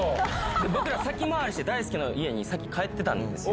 僕ら先回りして大輔の家に先帰ってたんですよ。